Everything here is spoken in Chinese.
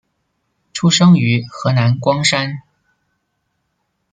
出生于河南光山。